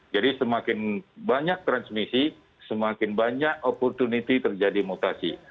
jadi semakin banyak transmisi semakin banyak kesempatan terjadi mutasi